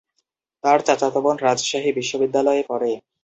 তার চাচাতো বোন রাজশাহী বিশ্বনিদ্যালয়ে পড়ে।